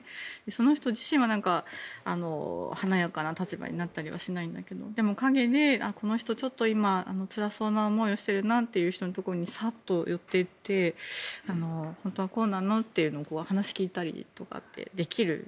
その人自身は、華やかな立場になったりはしないんだけれどもでも陰でこの人今、つらそうな思いをしてるなって人のところにさっと寄って行って本当はこうなの？と話を聞いたりとかできる。